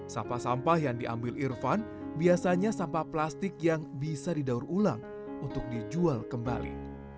sampah sampah yang diambil irfan biasanya sampah plastik yang bisa didaur ulang untuk dijual kembali